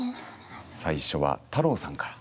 最初は太郎さんから。